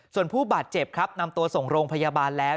ส่วนผู้บาดเจ็บครับนำตัวส่งโรงพยาบาลแล้ว